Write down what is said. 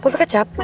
buat lo kecap